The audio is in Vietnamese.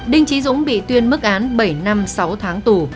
đinh trí dũng bị tuyên mức án bảy năm sáu tháng tù